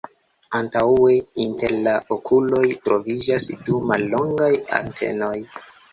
Antaŭe inter la okuloj troviĝas du mallongaj antenoj.